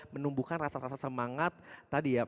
menumbuhkan rasa rasa semangat tadi ya